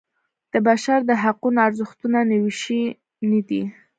د بشر د حقونو ارزښتونه نوی شی نه دی.